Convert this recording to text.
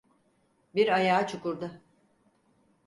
Bir ayağı çukurda